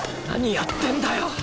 何やってんだよ！